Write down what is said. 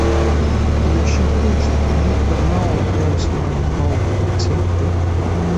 Jo šie priekšlikumi ir par naudu, nevis par kaut ko citu.